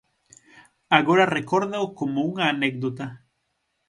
Agora recórdao como unha anécdota.